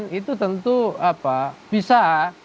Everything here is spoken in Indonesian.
pertarungan itu tentu apa bisa